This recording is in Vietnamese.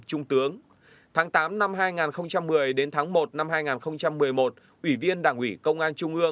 tháng sáu năm hai nghìn bảy được thăng cấp bậc hàm